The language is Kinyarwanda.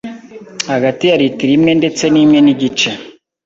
hagati ya Litiro imwe ndetse n’imwe nigice